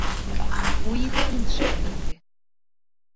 У іх іншыя мэты.